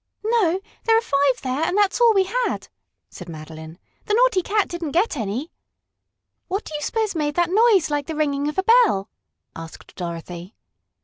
"No, there are five there, and that's all we had," said Madeline. "The naughty cat didn't get any." "What do you suppose made that noise like the ringing of a bell?" asked Dorothy.